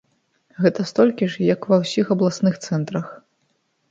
Гэта столькі ж, як у ва ўсіх абласных цэнтрах.